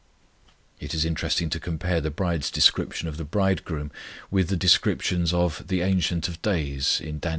It is interesting to compare the bride's description of the Bridegroom with the descriptions of "the Ancient of Days" in Dan.